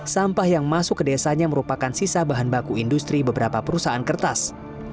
sampah yang masuk ke desanya merupakan sisa bahan baku industri beberapa perusahaan kertas